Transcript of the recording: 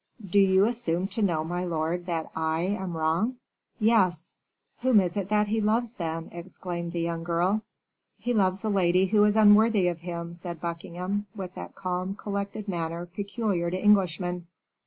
"Do you assume to know, my lord, that I am wrong?" "Yes." "Whom is it that he loves, then?" exclaimed the young girl. "He loves a lady who is unworthy of him," said Buckingham, with that calm, collected manner peculiar to Englishmen.